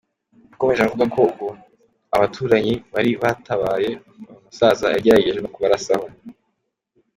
Yakomeje avuga ko ubwo abaturanyi bari batabaye, uyu musaza yagerageje no kubarasaho.